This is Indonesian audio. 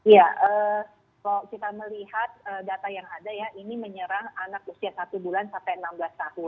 ya kalau kita melihat data yang ada ya ini menyerang anak usia satu bulan sampai enam belas tahun